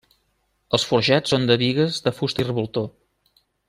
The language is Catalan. Els forjats són de bigues de fusta i revoltó.